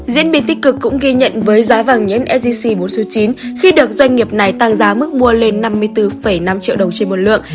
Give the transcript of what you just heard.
diễn biến tích cực cũng ghi nhận với giá vàng nhẫn sgc bốn số chín khi được doanh nghiệp này tăng giá mức mua lên năm mươi bốn năm triệu đồng trên một lượng